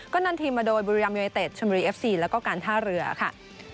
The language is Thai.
ก็นำทีมมาโดยบริรัมยูไนเต็ดชนบุรีเอฟซีแล้วก็การท่าเรือค่ะ